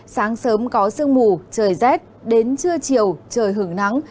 sáng sớm có sương mù trời rét đến trưa chiều trời hưởng nắng